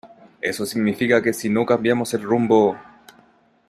eso significa que si no cambiamos el rumbo,